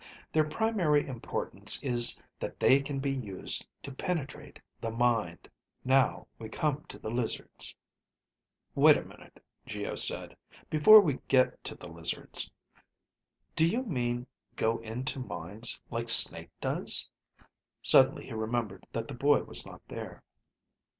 Their primary importance is that they can be used to penetrate the mind. Now we come to the lizards." "Wait a minute," Geo said. "Before we get to the lizards. Do you mean go into minds like Snake does?" Suddenly he remembered that the boy was not there.